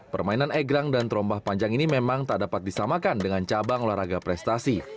permainan egrang dan terombah panjang ini memang tak dapat disamakan dengan cabang olahraga prestasi